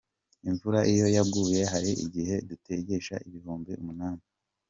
Imvura iyo yaguye hari igihe dutegesha ibihumbi umunani.